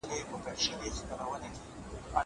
هغه څوک چي لوبه کوي خوشاله وي!